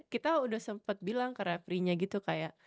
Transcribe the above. kita udah sempat bilang ke refereenya gitu kayak